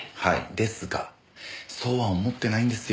ですがそうは思ってないんですよ